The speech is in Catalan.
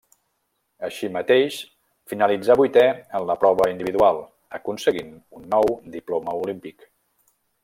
Així mateix finalitzà vuitè en la prova individual, aconseguint un nou diploma olímpic.